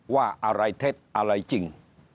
ว่าอะไรเท็จอะไรจริง